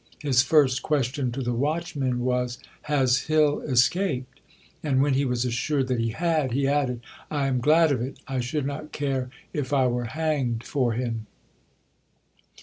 His first question to the watchmen was, "Has Hill escaped?" And when he was assured that he had, he added: "I am glad of it! I should not care if I were hanged for him."